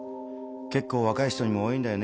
・若い人にも多いんだよね